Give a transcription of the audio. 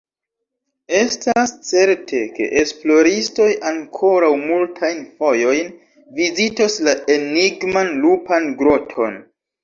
Estas certe, ke esploristoj ankoraŭ multajn fojojn vizitos la enigman Lupan Groton.